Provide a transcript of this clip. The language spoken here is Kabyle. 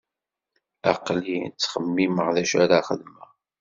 Aql-i ttxemmimeɣ d acu ara xedmeɣ.